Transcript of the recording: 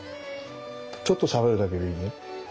ちょっとしゃべるだけでいいのよ。